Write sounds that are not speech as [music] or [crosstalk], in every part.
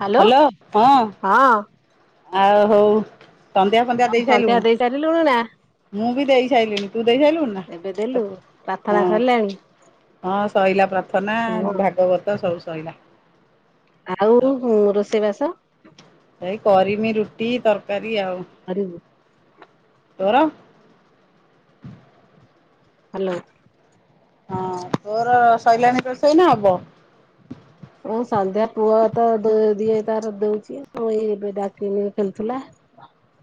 Hello hello ହଁ। ହଁ ଆଉ ହୋଉ ସଂଧ୍ୟା ଫଧ୍ୟା ଦେଇ ସନ୍ଧ୍ୟା ଦେଇ ସାରିଲୁଣୁ ନା ସାରିଲୁଣି ମୁଁ ବି ଦେଇ ସାଇଲିିଣି। ତୁ ଦେଇସାରିଲୁଣି ନା ଏବେ ଦେଲୁ ତପୁ [unintelligible] ପ୍ରାର୍ଥନା ହଁ ସରିଲାଣି ହଁ ସ‌ଇଲା ପ୍ରାର୍ଥନା ହଁ ଭାଗବତ ସବୁ ସ‌ଇଲା। ଆଉ ରୋଷେଇବାସ? ଏଇ କରିମି ରୁଟି ତରକାରୀ ଆଉ। କରିବୁ ତୋର? ହାଲୋ। ହଁ ତୋର ସ‌ଇଲାଣି ନା ହବ? ହଁ ସନ୍ଧ୍ୟା ପୁଅ ତ ଦି ଦିଏ ତାର ଦଉଚି ମୁଁ ଏଇ ଏବେ ଡାକିଲି ଖେଳୁଥିଲା।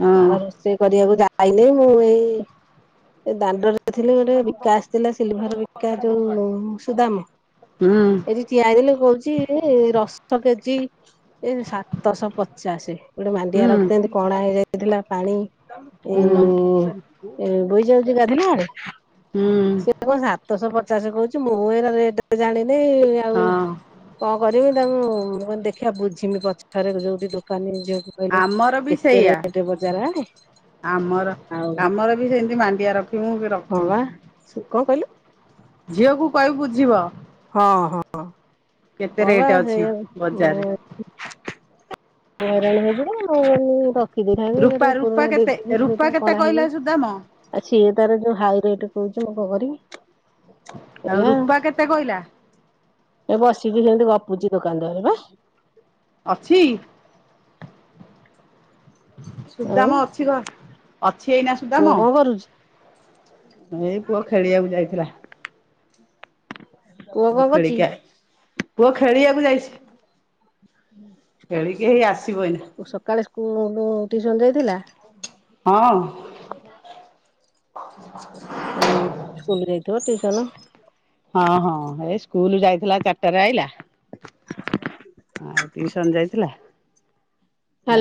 ହଁ ଆଉ ରୋଷେଇ କରିବାକୁ ଯାଇନି ମୁଁ ଏଇ ଦାଣ୍ଡରେ ଥିଲେ ଏଇ ଗୋଟେ ବିକା ଆସିଥିଲା ସିଲିଭର ବିକା ଯୋଉ ସୁଦାମ। ହୁଁ ଏଇଠି ଠିଆ ହେଇଥିଲି କୋହୁଚି ରସ୍ତ କେଜି ଏ ସାତଶହ ପଚାଶ ଗୋଟେ ମାଣ୍ଡିଆ ହୁଁ ରଖିଥାଆନ୍ତି କଣା ହେଇଯାଇଥିଲା ପାଣି- - ଏ ହୁଁ ଏ ବୋହି ଯାଉଚି ଗାଧେଇଲା ବେଳେ। ହୁଁ ସିଏ କଣ ସାତଶହ ପଚାଶ କୋହୁଚି ମୁଁ ହେରା ରେଟ୍ ଯାଣିନି ଆଉ ହଁ ଯେମିତି ତାଙ୍କୁ ଦେଖିବା ବୁଝିମି ପଛରେ ଯୋଉଠି ଦୋକାନୀ ଯୋଉ ସେ କହିଲେ ଆମର ବି କେତେ ସେଇଆ ରେଟ୍ ବଜାର ଆଡେ? ଆମର ଆଉ ଆମର ବି ସେମିତି ମାଣ୍ଡିଆ ରଖିମୁ କି ହଁ ବା ରଖିନୁ। କଣ କହିଲୁ? ଝିଅକୁ କହିବୁ ବୁଝିବ। ହଁ ହଁ। କେତେ ହଁ ବା ରେଟ୍ ଅଛି ସେଇଆ ବଜାରରେ ମୁଁ ହଇରାଣ ହୋଉଚି [inaudible] ମୁଁ ରଖିଦେଇଥାନ୍ତି ରୂପା ଗୋଟେ ରୂପା ପୁରୁଣା ଦେଇ କେତେ ଦେଇକି ରୂପା ଯୋଉଟା କେତେ କଣା କହିଲା ହେଇଯାଇଚି। ସୁଦାମ? ଆଉ ସିଏ ତାର ଯୋଉ ହାଇ ରେଟ୍ କୋହୁଚି ମୁଁ କଣ କରିବି? ଆଉ ରୂପା କେତେ କହିଲା? ଏ ବସିବି ସେମିତି ଗପୁଚି ଦୋକାନ ଦୂଆରେ ପା ଅଛି। ଆଉ ସୁଦାମ ଅଛି ଘ ଅଛି ଏଇନା ପୁଅ ସୁଦାମ କଣ କରୁଛି? ଏଇ ପୁଅ ଖେଳିବାକୁ ଯାଇଥିଲା। ପୁଅ କଣ କରୁଛି? ଖେଲିକି ଆ ପୁଅ ଖେଳିବାକୁ ଯାଇଚି। ସକାଳେ ସ୍କୁଲ ଟିଉସନ ଯାଇଥିଲା। ହଁ। ହଁ ସ୍କୁଲ ଯାଇଥିବ ଟିଉସନ ହଁ ହଁ ଏଇ ସ୍କୁଲ ଯାଇଥିଲା ଚାରିଟାରେ ଆଇଲା। ଆଉ ଟିଉସନ ଯାଇଥିଲା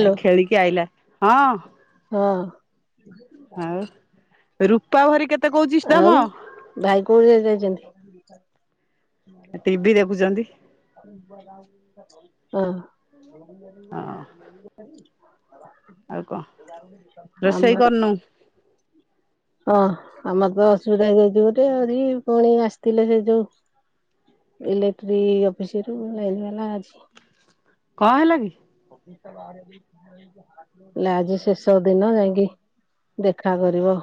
ଏଇ ଖେଳିକି ଆଇଲା ହଁ। ହଁ ଆଉ ରୂପା ଭରି କେ ଆଉ ଭାଇ କୋଉ ଯାଏଁ ଯାଇଚନ୍ତି? ଟିଭିି ଦେଖୁଚନ୍ତି। ହଁ। ହଁ ଆଉ କଣ ରୋଷେଇ ଆମର କରିନୁ ହଁ। ଆମର ତ ଅସୁବିଧା ହେଇଯାଇଛି ଗୋଟେ ରି ଆ ପୁଣି ଆସିଥିଲେ ସେ ଯୋଉ ଇଲେଟ୍ରି ଅଫିସରୁ ଲାଇନ୍ ବାଲା ଆଜି। କଣ ହେଲା କି? ଲୋ ଆଜି ଶେଷ ଦିନ ଯାଇଁକି ଦେଖା କରିବ।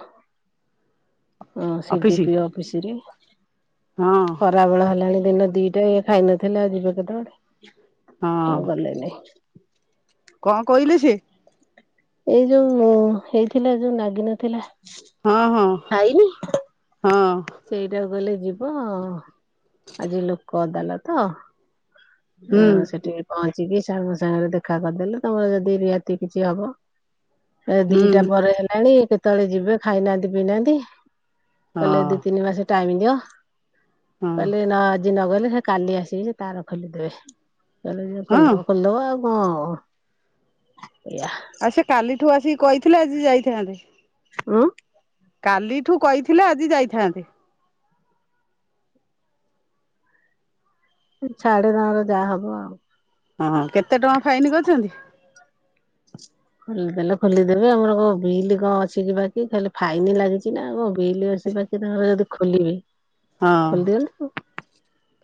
ହ ସିଡି ଅଫିସି? ପି ଅଫିସ ରେ ହଁ ଖରାବେଳା ହେଲାଣି ଦିନ ଦିଟା ଇଏ ଖାଇନା ଥିଲେ ଆଉ ଯିବେ କେତବେଳେ ହଁ ଆଉ ଗଲେନେଇ। କଣ କହିଲେ ସେ ଏଇ ଯୋଉ ହେଇଥିଲା ଯୋଉ ନାଗିନଥିଲା। ହଁ ହଁ ଖାଇନି ହଁ। ସେଇଟାକୁ କହିଲେ ଯିବ ଆଜି ଲୋକ ଅଦାଲତ। ଆ ହୁଁ ସେଠିକି ପହଞ୍ଚି ଟିକେ ସାଙ୍ଗ ସାଙ୍ଗରେ ଦେଖା କରିଦେଲେ ତମର ଯଦି ରିହାତି କିଛି ହବ। ଏ ହୁଁ ଦିଟା ପରେ ହେଲାଣି କେତେବେଳେ ଯିବେ ଖାଇନାହାନ୍ତି ପିଇନାହାନ୍ତି। ହଁ। ଟାଇ ଦିଅ ହଁ କହିଲେ ନା ଆଜି ନଗଲେ ସେ କାଲି ଆସିକି ତାର ଖୋଲିଦେବେ କହିଲଲେ ହଁ ଖୋଲିଦବ ଖୋଲିଦବ ଆଉ। ହଁଅ ଏଇଆ। ଆଉ ସେ କାଲିଠୁ ଆସିକି କହିଥିଲେ ଆଜି ଯାଇଥାନ୍ତେ। ହଁ। କାଲିଠୁ କହିଥିଲେ ଆଜି ଯାଇଥାନ୍ତିେ। ଛାଡେ ତାଙ୍କର ଯାହା ହବ ଆଉ। ହଁ କେତେ ଟଙ୍କା ଫାଇନି ଅଛନ୍ତି? ଖୋଲି ଦେଲେ ଖୋଲିଦେବେ ଆମର କୋଉ ବିଲ୍ କଣ ଅଛି କି ବାକି ଖାଲି ଫାଇନ ଲାଗିଛି ନା ଆଉ କଣ। ବିଲୀ ଅଛି ପାଖରେ ନହେଲେ ଯଦି ଖୋଲିବି ହଁ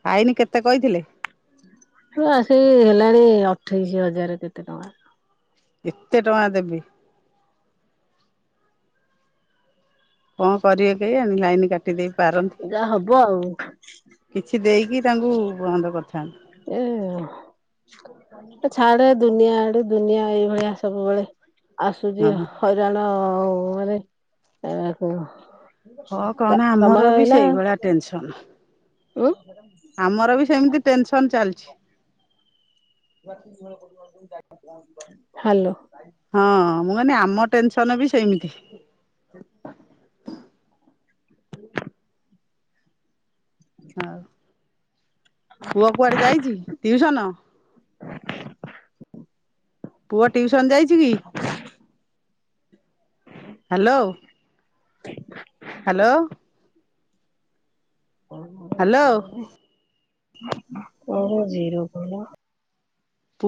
ଫାଇନି କେତେ କହିଥିଲେ? ଆସିକି ହେଲାଣି ଅଠେଇଶି ହଜାର କେତେ ଟଙ୍କା। ଏତେ ଟଙ୍କା ଦେବି। କଣ କରିବେ କେଇ ଆଣି ଲାଇନ୍ କାଟି ଦେଇେଇ ପାରନ୍ତି ଯାହା ହବ ଆଉ କିଛି ଦେଇକି ତାଙ୍କୁ ବନ୍ଦ କରିଥି ଏ ହ। ଛାଡେ ଦୁନିଆ ଆଡୁ ଦୁନିଆ ଏଇଭଳିଆ ସବୁବେଳେ ଆସୁଛି ହଁ ହଇରାଣ ଓରେ ଏକୁ। ହଁ କହନା ଆମର ସମୟ ବି ହେଲା। ସେଇଭଳିଆ ଟେନସନ ହୁଁ। ଆମର ବି ସେମିତି ଟେନସନ ଚାଲିଛି। ହାଲୋ। ହଁ ମୁଁ କହିଲି ଆମ ଟେନସନ ବି ସେମିତି। ହଉ ପୁଅ କୁଆଡେ ଯାଇଛି ଟିଉସନ? ପୁଅ ଟିଉସନ ଯାଇଛି କି ହ୍ୟାଲୋ। ହ ହ୍ୟାଲୋ। ହ୍ୟାଲୋ। ମୋର ଜିରୋ କଲ।